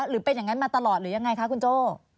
หรือเป็นอย่างนั้นมาตลอดหรือยังไงคะคุณโจ้